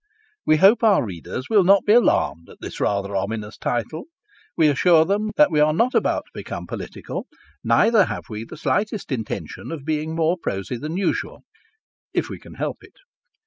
WE hope our readers will not be alarmed at this rather ominous title. We assure them that we are not about to become political, neither have we the slightest intention of being more prosy than usual if we can help it.